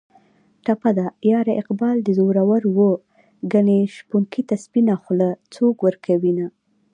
ټپه ده: یاره اقبال دې زورور و ګني شپونکي ته سپینه خوله څوک ورکوینه